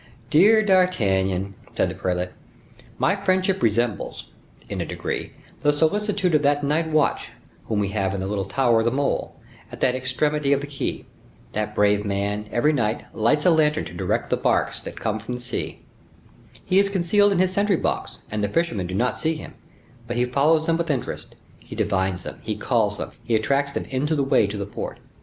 "Dear D'Artagnan," said the prelate, "my friendship resembles, in a degree, the solicitude of that night watch whom we have in the little tower of the mole, at the extremity of the quay. That brave man, every night, lights a lantern to direct the barks that come from sea. He is concealed in his sentry box, and the fishermen do not see him; but he follows them with interest; he divines them; he calls them; he attracts them into the way to the port.